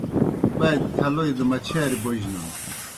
باتیْ تھلوئی دہ مچھاری بوجنَن۔